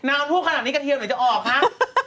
น้ำพูดขนาดนี้กระเทียมด้วยจะออกคะ